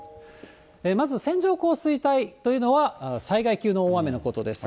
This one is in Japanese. まず線状降水帯というのは災害級の大雨のことです。